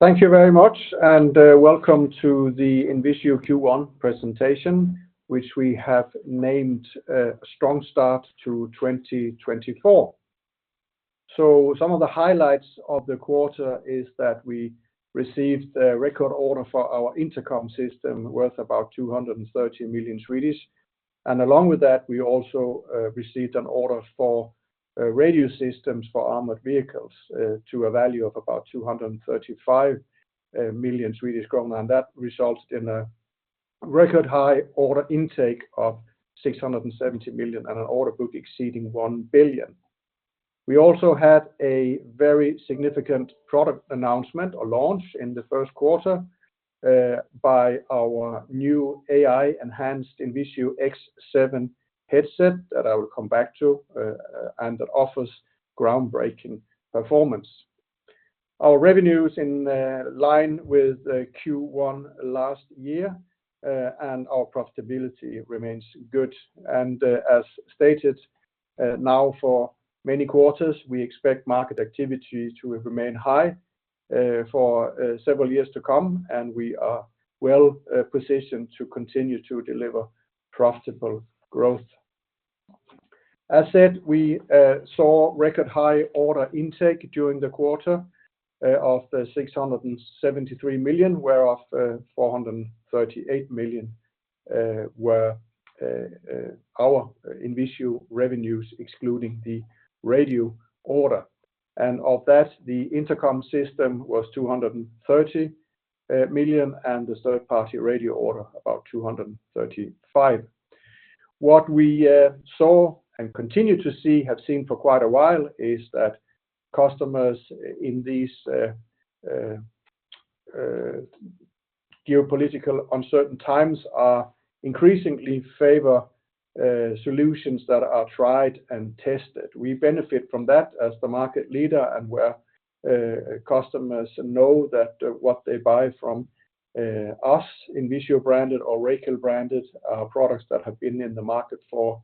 Thank you very much, and welcome to the INVISIO Q1 presentation, which we have named Strong Start to 2024. Some of the highlights of the quarter is that we received a record order for our intercom system, worth about 230 million. And along with that, we also received an order for radio systems for armored vehicles to a value of about 235 million Swedish krona. And that resulted in a record high order intake of 670 million and an order book exceeding 1 billion. We also had a very significant product announcement or launch in the first quarter by our new AI-enhanced INVISIO X7 headset that I will come back to and that offers groundbreaking performance. Our revenues in line with Q1 last year, and our profitability remains good. As stated, now for many quarters, we expect market activity to remain high, for several years to come, and we are well positioned to continue to deliver profitable growth. As said, we saw record high order intake during the quarter, of 673 million, whereof 438 million were our INVISIO revenues, excluding the radio order. And of that, the intercom system was 230 million, and the third-party radio order, about 235 million. What we saw and continue to see, have seen for quite a while, is that customers in these geopolitical uncertain times increasingly favor solutions that are tried and tested. We benefit from that as the market leader and where customers know that what they buy from us, INVISIO-branded or Racal-branded, products that have been in the market for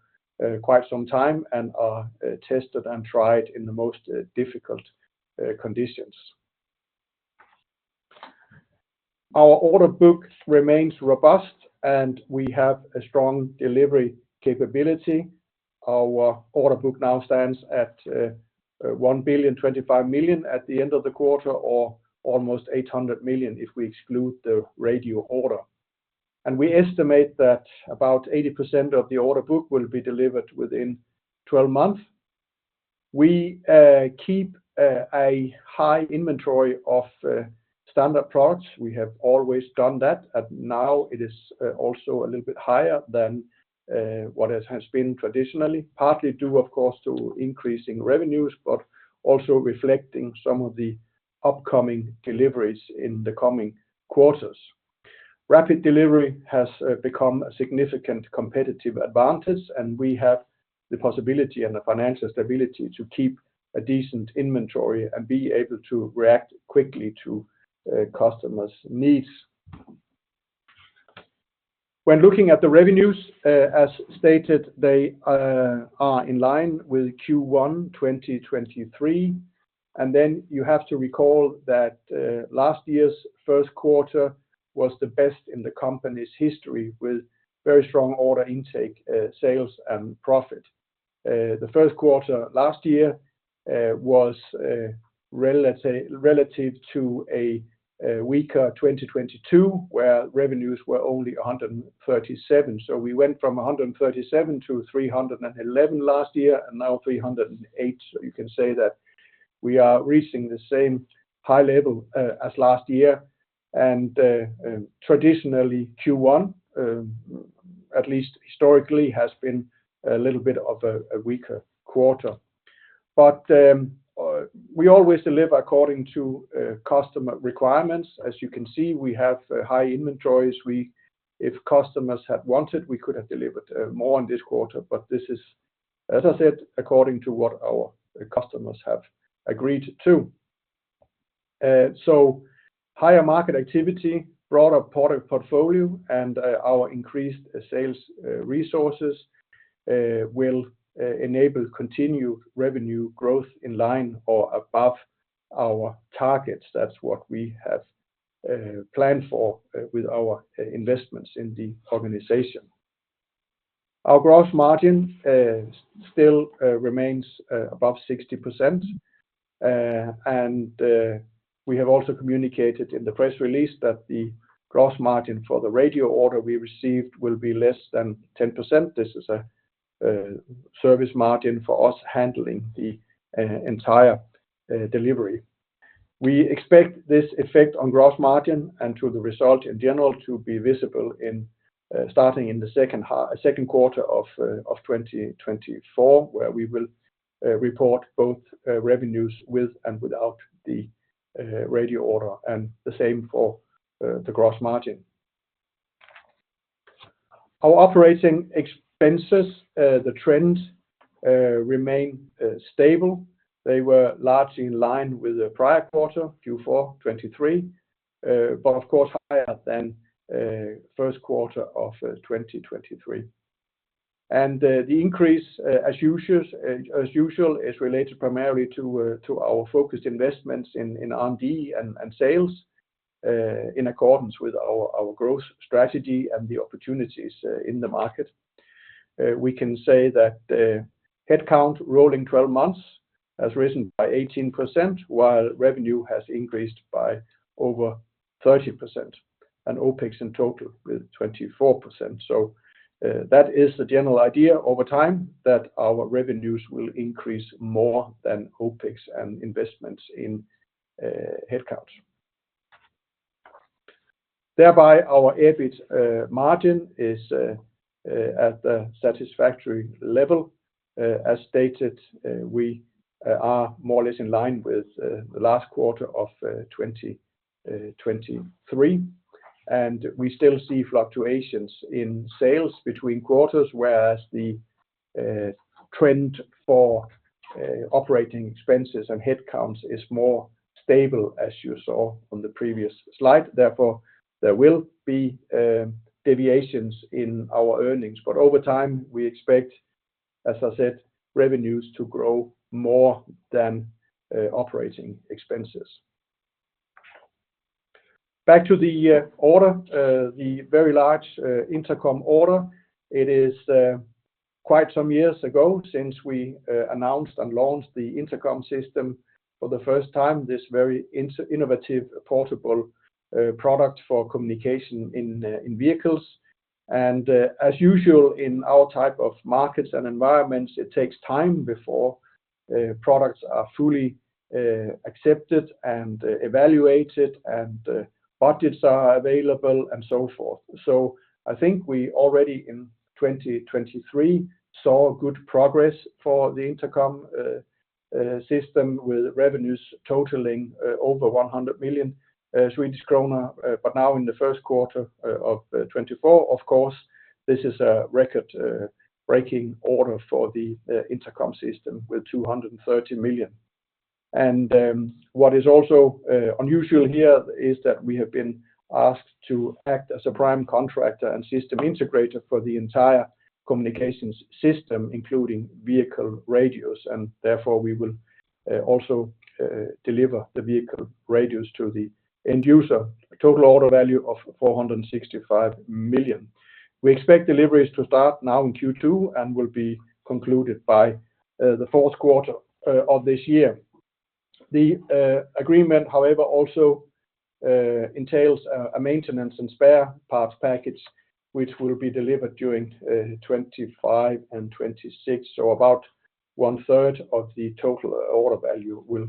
quite some time and are tested and tried in the most difficult conditions. Our order book remains robust, and we have a strong delivery capability. Our order book now stands at 1.025 billion at the end of the quarter, or almost 800 million, if we exclude the radio order. We estimate that about 80% of the order book will be delivered within 12 months. We keep a high inventory of standard products. We have always done that, and now it is also a little bit higher than what it has been traditionally, partly due, of course, to increasing revenues, but also reflecting some of the upcoming deliveries in the coming quarters. Rapid delivery has become a significant competitive advantage, and we have the possibility and the financial stability to keep a decent inventory and be able to react quickly to customers' needs. When looking at the revenues, as stated, they are in line with Q1 2023, and then you have to recall that last year's first quarter was the best in the company's history, with very strong order intake, sales, and profit. The first quarter last year was, let's say, relative to a weaker 2022, where revenues were only 137 million. So we went from 137 to 311 last year, and now 308. So you can say that we are reaching the same high level as last year, and traditionally, Q1, at least historically, has been a little bit of a weaker quarter. But we always deliver according to customer requirements. As you can see, we have high inventories. If customers had wanted, we could have delivered more in this quarter, but this is, as I said, according to what our customers have agreed to. So higher market activity, broader product portfolio, and our increased sales resources will enable continued revenue growth in line or above our targets. That's what we have planned for with our investments in the organization. Our gross margin still remains above 60%. We have also communicated in the press release that the gross margin for the radio order we received will be less than 10%. This is a service margin for us handling the entire delivery. We expect this effect on gross margin and to the result in general, to be visible starting in the second quarter of 2024, where we will report both revenues with and without the radio order, and the same for the gross margin. Our operating expenses, the trends, remain stable. They were largely in line with the prior quarter, Q4 2023, but of course, higher than first quarter of 2023. The increase, as usual, is related primarily to our focused investments in R&D and sales, in accordance with our growth strategy and the opportunities in the market. We can say that the headcount rolling 12 months has risen by 18%, while revenue has increased by over 30%, and OPEX in total with 24%. That is the general idea over time, that our revenues will increase more than OPEX and investments in headcount. Thereby, our EBIT margin is at the satisfactory level. As stated, we are more or less in line with the last quarter of 2023, and we still see fluctuations in sales between quarters, whereas the trend for operating expenses and headcounts is more stable, as you saw on the previous slide. Therefore, there will be deviations in our earnings, but over time, we expect, as I said, revenues to grow more than operating expenses. Back to the order, the very large intercom order. It is quite some years ago since we announced and launched the intercom system for the first time, this very innovative, portable product for communication in vehicles. As usual, in our type of markets and environments, it takes time before products are fully accepted and evaluated, and budgets are available, and so forth. So I think we already in 2023 saw good progress for the intercom system, with revenues totaling over 100 million Swedish krona. But now in the first quarter of 2024, of course, this is a record breaking order for the intercom system with 230 million. And what is also unusual here is that we have been asked to act as a prime contractor and system integrator for the entire communications system, including vehicle radios, and therefore, we will also deliver the vehicle radios to the end user. A total order value of 465 million. We expect deliveries to start now in Q2 and will be concluded by the fourth quarter of this year. The agreement, however, also entails a maintenance and spare parts package, which will be delivered during 2025 and 2026. So about one third of the total order value will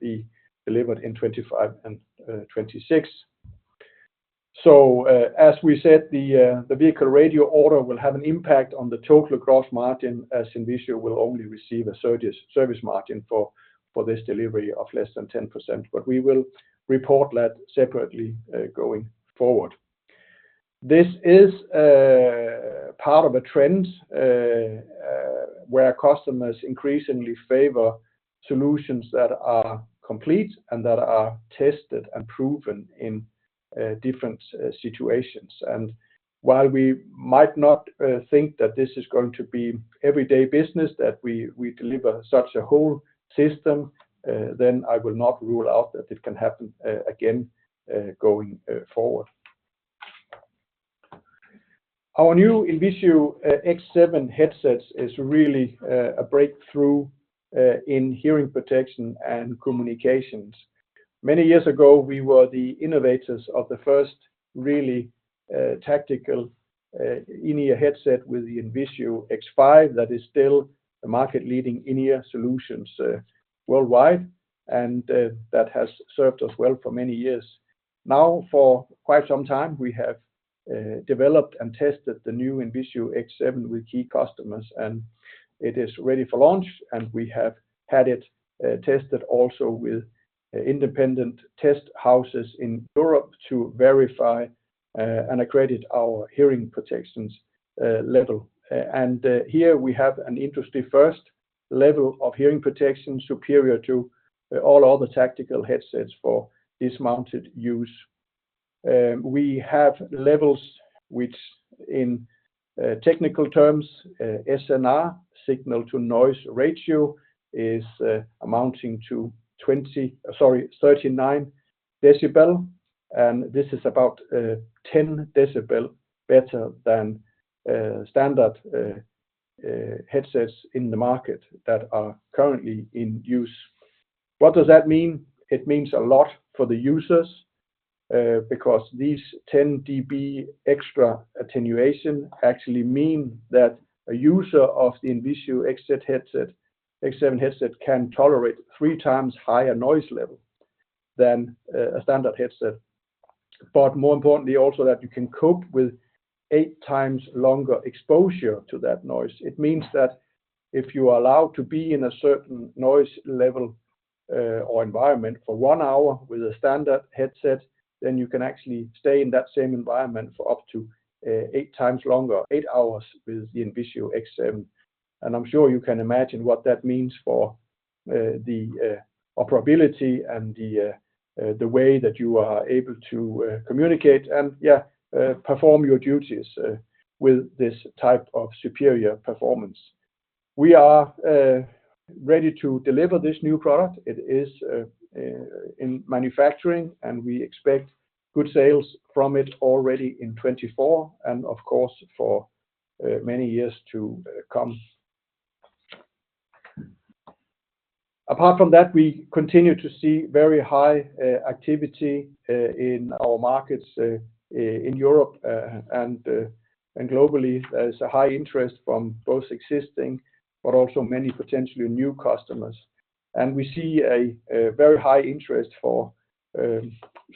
be delivered in 2025 and 2026. So, as we said, the vehicle radio order will have an impact on the total gross margin, as INVISIO will only receive a service margin for this delivery of less than 10%, but we will report that separately going forward. This is part of a trend where customers increasingly favor solutions that are complete and that are tested and proven in different situations. And while we might not think that this is going to be everyday business, that we deliver such a whole system, then I will not rule out that it can happen again going forward. Our new INVISIO X7 headsets is really a breakthrough in hearing protection and communications. Many years ago, we were the innovators of the first really tactical in-ear headset with the INVISIO X5, that is still a market-leading in-ear solutions worldwide, and that has served us well for many years. Now, for quite some time, we have developed and tested the new INVISIO X7 with key customers, and it is ready for launch, and we have had it tested also with independent test houses in Europe to verify and accredit our hearing protections level. Here we have an industry-first level of hearing protection, superior to all other tactical headsets for dismounted use. We have levels which, in technical terms, SNR, Signal-to-Noise Ratio, is amounting to twenty- sorry, 39 dB, and this is about 10 dB better than standard headsets in the market that are currently in use. What does that mean? It means a lot for the users, because these 10 dB extra attenuation actually mean that a user of the INVISIO X7 headset, X7 headset can tolerate 3 times higher noise level than a standard headset. But more importantly, also, that you can cope with 8 times longer exposure to that noise. It means that if you are allowed to be in a certain noise level, or environment for one hour with a standard headset, then you can actually stay in that same environment for up to, eight times longer, 8 hours with the INVISIO X7, and I'm sure you can imagine what that means for, the, operability and the, the way that you are able to, communicate, and, yeah, perform your duties, with this type of superior performance. We are ready to deliver this new product. It is in manufacturing, and we expect good sales from it already in 2024, and of course, for many years to come. Apart from that, we continue to see very high activity in our markets, in Europe, and globally. There's a high interest from both existing, but also many potentially new customers. And we see a very high interest for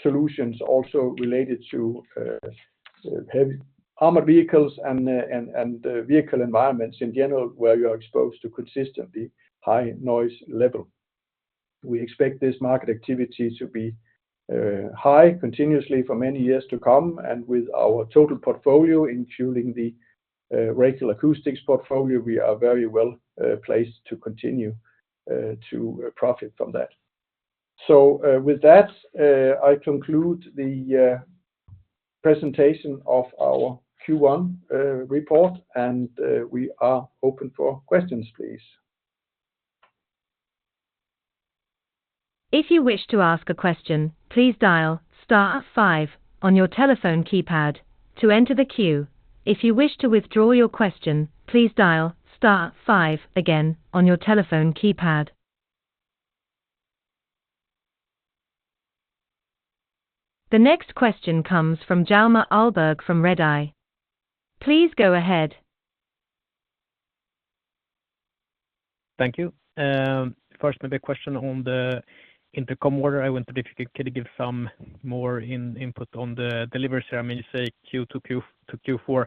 solutions also related to heavy armored vehicles and vehicle environments in general, where you are exposed to consistently high noise level. We expect this market activity to be high continuously for many years to come, and with our total portfolio, including the regular acoustics portfolio, we are very well placed to continue to profit from that. So, with that, I conclude the presentation of our Q1 report, and we are open for questions, please. If you wish to ask a question, please dial star five on your telephone keypad to enter the queue. If you wish to withdraw your question, please dial star five again on your telephone keypad. The next question comes from Hjalmar Ahlberg from Redeye. Please go ahead. Thank you. First, maybe a question on the intercom order. I wonder if you could give some more input on the delivery. I mean, you say Q2 to Q4,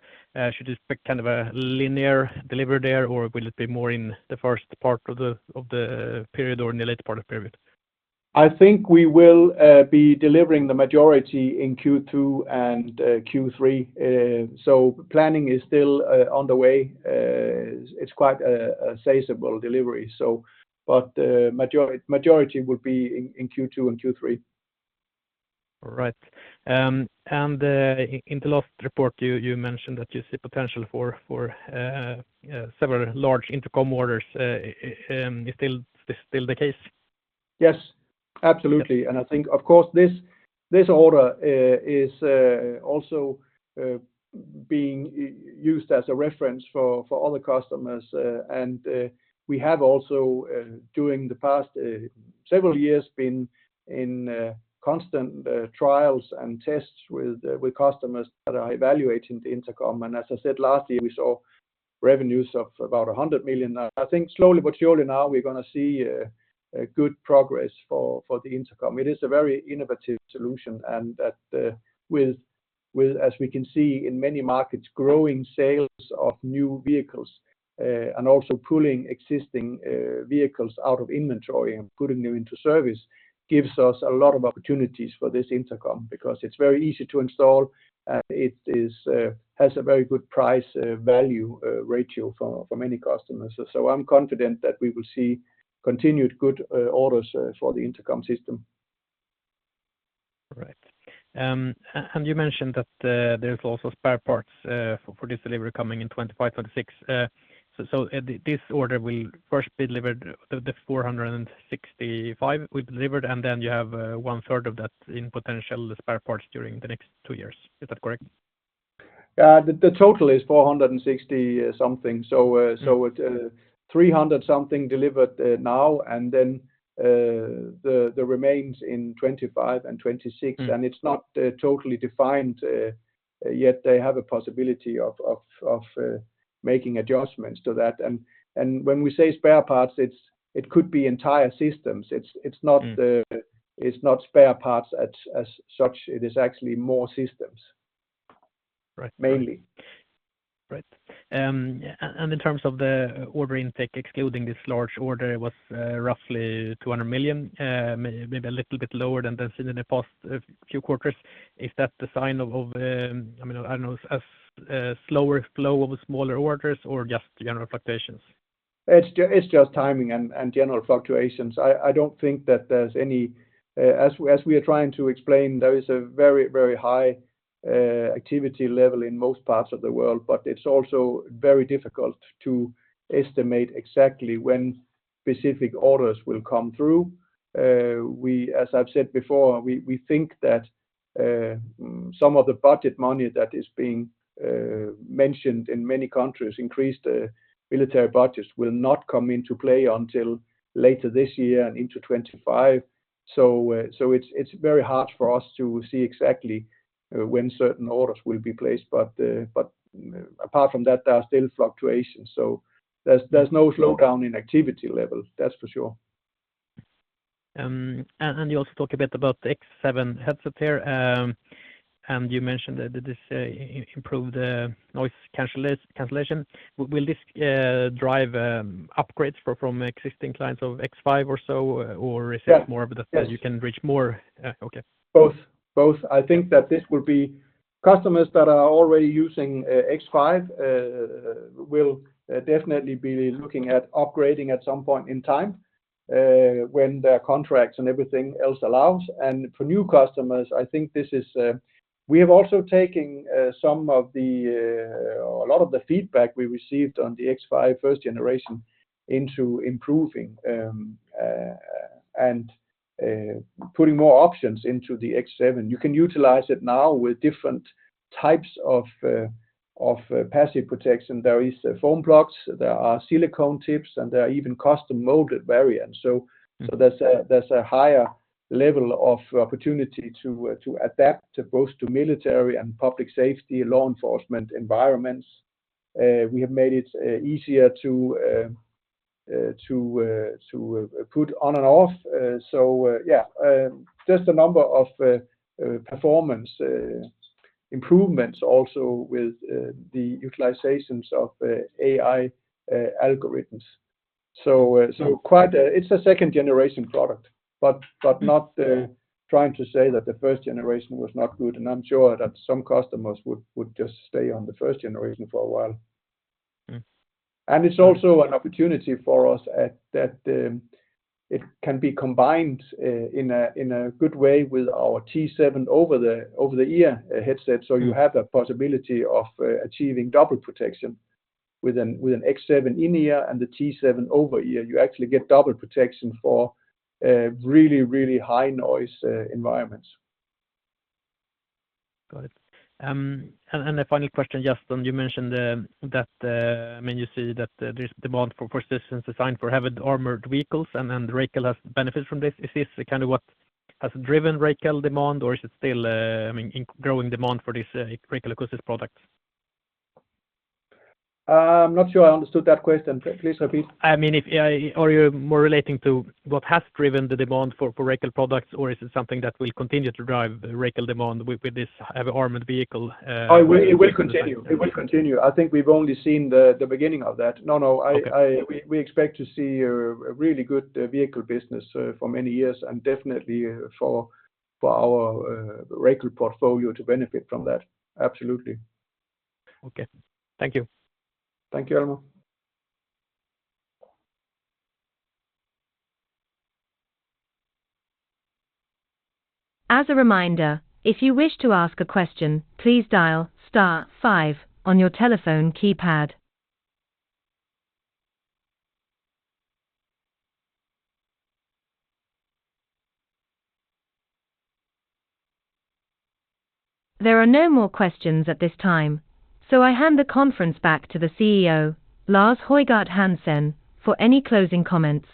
should expect kind of a linear delivery there, or will it be more in the first part of the period or in the later part of the period? I think we will be delivering the majority in Q2 and Q3. So planning is still on the way. It's quite a sizable delivery, so but majority would be in Q2 and Q3. All right. And in the last report, you mentioned that you see potential for several large intercom orders. Is this still the case? Yes, absolutely. And I think, of course, this, this order, is also being used as a reference for other customers. And we have also, during the past several years, been in constant trials and tests with customers that are evaluating the intercom. And as I said, last year, we saw revenues of about 100 million. I think slowly but surely now we're gonna see a good progress for the intercom. It is a very innovative solution, and that, with, as we can see in many markets, growing sales of new vehicles, and also pulling existing vehicles out of inventory and putting them into service, gives us a lot of opportunities for this intercom, because it's very easy to install, has a very good price value ratio for many customers. So I'm confident that we will see continued good orders for the intercom system. Right. And you mentioned that there's also spare parts for this delivery coming in 2025, 2026. So this order will first be delivered, the 465 will be delivered, and then you have 1/3 of that in potential spare parts during the next 2 years. Is that correct? The total is 460-something. So, it's 300-something delivered now, and then the remains in 2025 and 2026. Mm. It's not totally defined, yet they have a possibility of making adjustments to that. When we say spare parts, it could be entire systems. Mm. It's not spare parts as such, it is actually more systems. Right. Mainly. Right. Yeah, and in terms of the order intake, excluding this large order, it was roughly 200 million, maybe a little bit lower than that in the past few quarters. Is that the sign of a slower flow of smaller orders or just general fluctuations? It's just timing and general fluctuations. I don't think that there's any. As we are trying to explain, there is a very, very high activity level in most parts of the world, but it's also very difficult to estimate exactly when specific orders will come through. We, as I've said before, we think that some of the budget money that is being mentioned in many countries, increased military budgets will not come into play until later this year and into 2025. So, so it's very hard for us to see exactly when certain orders will be placed. But, but apart from that, there are still fluctuations, so there's no slowdown in activity level, that's for sure. And you also talk a bit about the X7 headset here, and you mentioned that this improved the noise cancellation. Will this drive upgrades from existing clients of X5 or so, or is it- Yes... more of the fact you can reach more? Okay. Both. Both. I think that this will be Customers that are already using X5 will definitely be looking at upgrading at some point in time when their contracts and everything else allows. And for new customers, I think this is we have also taken some of the a lot of the feedback we received on the X5 first generation into improving and putting more options into the X7. You can utilize it now with different types of passive protection. There is foam blocks, there are silicone tips, and there are even custom-molded variants. So there's a higher level of opportunity to adapt both to military and public safety, law enforcement environments. We have made it easier to put on and off. So, just a number of performance improvements also with the utilizations of AI algorithms. It's a second generation product, but not trying to say that the first generation was not good, and I'm sure that some customers would just stay on the first generation for a while. Mm. And it's also an opportunity for us at that. It can be combined in a good way with our T7 over-the-ear headset. So you have the possibility of achieving double protection with an X7 in-ear and the T7 over-ear. You actually get double protection for really, really high noise environments. Got it. And a final question, just on what you mentioned, that I mean, you see that this demand for systems designed for heavy armored vehicles and Racal has benefited from this. Is this kind of what has driven Racal demand, or is it still, I mean, in growing demand for these Racal acoustic products? I'm not sure I understood that question. Please repeat. I mean, if... Are you more relating to what has driven the demand for Racal products, or is it something that will continue to drive Racal demand with this heavy armored vehicle? Oh, it will, it will continue. It will continue. I think we've only seen the, the beginning of that. No, no, I- Okay... we, we expect to see a really good vehicle business for many years and definitely for our Racal portfolio to benefit from that. Absolutely. Okay. Thank you. Thank you, Hjalmar. As a reminder, if you wish to ask a question, please dial star five on your telephone keypad. There are no more questions at this time, so I hand the conference back to the CEO, Lars Højgård Hansen, for any closing comments.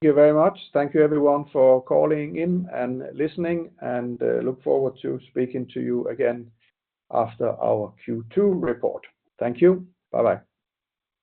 Thank you very much. Thank you everyone for calling in and listening, and look forward to speaking to you again after our Q2 report. Thank you. Bye-bye.